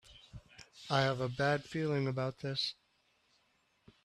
I have a bad feeling about this!